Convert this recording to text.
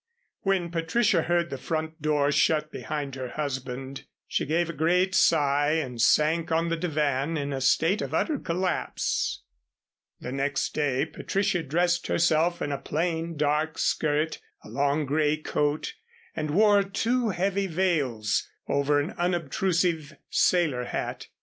When Patricia heard the front door shut behind her husband, she gave a great sigh and sank on the divan in a state of utter collapse. The next day Patricia dressed herself in a plain, dark skirt, a long grey coat and wore two heavy veils over an unobtrusive sailor hat.